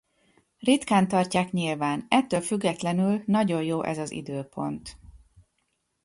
Ritkán tartják nyilván, ettől függetlenül nagyon jó ez az időpont.